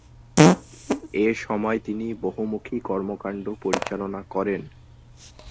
এ সময় তিনি বহুমুখী কর্মকান্ড পরিচালনা করেন।